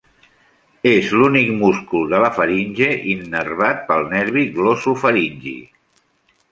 És l'únic múscul de la faringe innervat pel nervi glossofaringi.